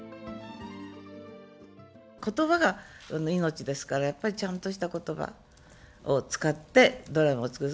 ことばが命ですから、やっぱりちゃんとしたことばを使って、ドラマを作る。